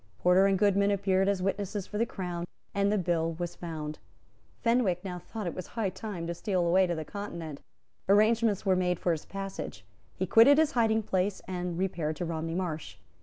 Porter and Goodman appeared as witnesses for the Crown; and the bill was found. Fenwick now thought that it was high time to steal away to the Continent. Arrangements were made for his passage. He quitted his hiding place, and repaired to Romney Marsh.